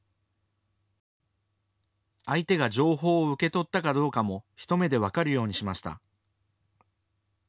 相手が情報を受け取ったかどうかも一目で分かるようにしました。